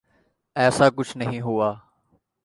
ایساکچھ نہیں ہوا۔